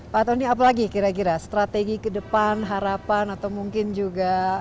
pak tony apalagi kira kira strategi ke depan harapan atau mungkin juga